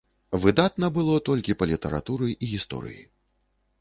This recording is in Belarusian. Выдатна было толькі па літаратуры і гісторыі.